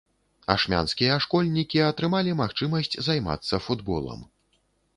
Ашмянскія школьнікі атрымалі магчымасць займацца футболам.